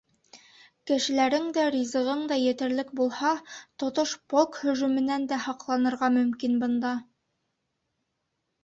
Кешеләрең дә, ризығың да етерлек булһа, тотош полк һөжүменән дә һаҡланырға мөмкин бында.